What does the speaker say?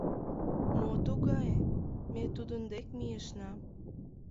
— Мо тугае? — ме тудын дек мийышна.